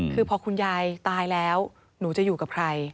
คือพอคุณยายตายแล้วหนูจะอยู่กับใคร